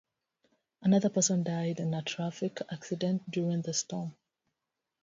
Another person died in a traffic accident during the storm.